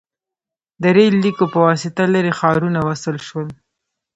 • د ریل لیکو په واسطه لرې ښارونه وصل شول.